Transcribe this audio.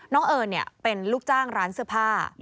เอิญเป็นลูกจ้างร้านเสื้อผ้า